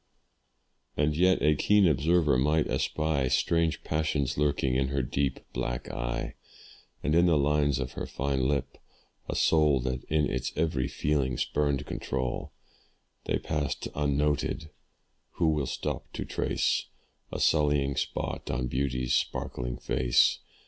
And yet a keen observer might espy Strange passions lurking in her deep black eye, And in the lines of her fine lip, a soul That in its every feeling spurned control. They passed unnoted who will stop to trace A sullying spot on beauty's sparkling face?